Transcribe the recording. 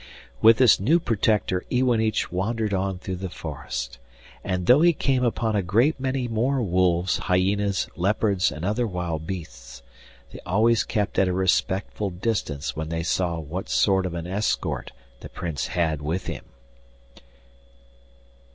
With this new protector Iwanich wandered on through the forest, and though he came upon a great many more wolves, hyenas, leopards, and other wild beasts, they always kept at a respectful distance when they saw what sort of an escort the Prince had with him.